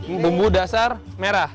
ini bumbu dasar merah